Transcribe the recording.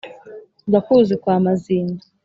ndakuzi kwa mazinda